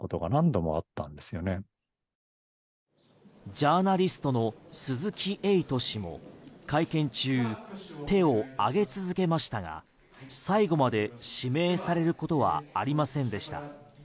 ジャーナリストの鈴木エイト氏も、会見中手を上げ続けましたが最後まで指名されることはありませんでした。